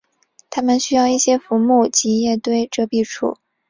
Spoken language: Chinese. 它们需要一些浮木及叶堆遮蔽处。